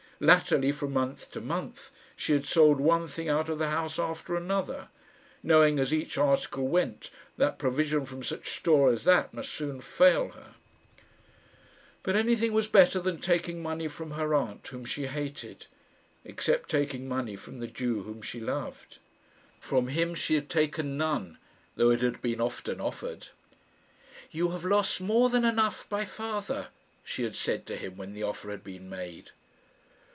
Latterly, from month to month, she had sold one thing out of the house after another, knowing as each article went that provision from such store as that must soon fail her. But anything was better than taking money from her aunt whom she hated except taking money from the Jew whom she loved. From him she had taken none, though it had been often offered. "You have lost more than enough by father," she had said to him when the offer had been made.